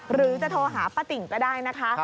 หรือจะโทรหาป้าติ่งก็ได้นะคะ